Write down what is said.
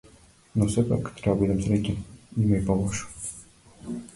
Но сепак, треба да бидам среќен, има и полошо.